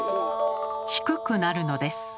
低くなるのです。